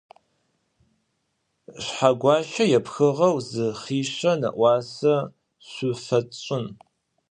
Шъхьэгуащэ епхыгъэу зы хъишъэ нэӏуасэ шъуфэтшӏын.